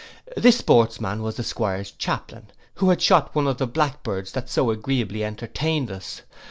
This sportsman was the 'Squire's chaplain, who had shot one of the blackbirds that so agreeably entertained us.